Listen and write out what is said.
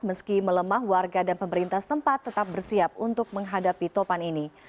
meski melemah warga dan pemerintah setempat tetap bersiap untuk menghadapi topan ini